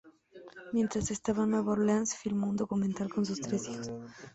Mientras estaba en Nueva Orleans, filmó un documental con sus tres hijos.